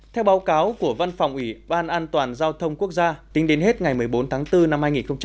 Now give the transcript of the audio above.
theo báo cáo của văn phòng ủy ban an toàn giao thông quốc gia tính đến hết ngày một mươi bốn tháng bốn năm hai nghìn hai mươi